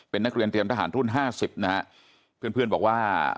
เป็นนักเรียนเตรียมทหารรุ่นห้าสิบนะฮะเพื่อนเพื่อนบอกว่า